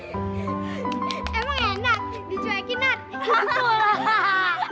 emang enak dicuekin nat